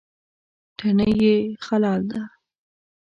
تڼۍ یې خلال ده.